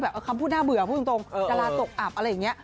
คำพูดน่าเบื่อพูดตรงดาราตกอับอะไรอย่างนี้